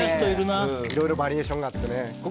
いろいろバリエーションがあってね。